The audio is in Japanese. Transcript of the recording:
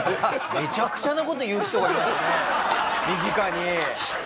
めちゃくちゃな事言う人がいますね身近に。